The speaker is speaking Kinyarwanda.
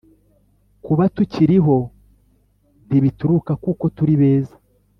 Kuba tukiriho ntibituruka kuko turi beza